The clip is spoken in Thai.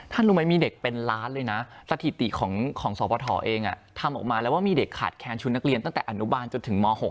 รู้ไหมมีเด็กเป็นล้านเลยนะสถิติของสปฐเองทำออกมาแล้วว่ามีเด็กขาดแค้นชุดนักเรียนตั้งแต่อนุบาลจนถึงม๖